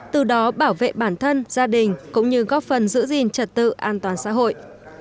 từ đó bảo vệ bản thân gia đình cũng như góp phần giữ gìn trật tự an toàn xã hội